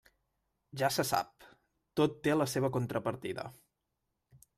Ja se sap, tot té la seva contrapartida.